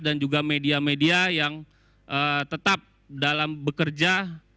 dan juga media media yang tetap dalam bekerja